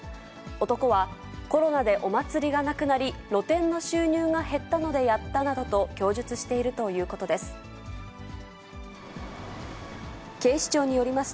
男はコロナでお祭りがなくなり、露店の収入が減ったのでやったなどと供述しているということです。